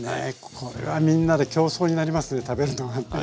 これはみんなで競争になりますね食べるのがね。